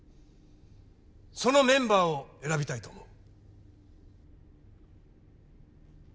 そのメンバーを選びたいと思う。